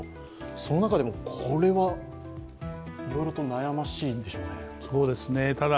その中でもこれはいろいろと悩ましいんでしょうね。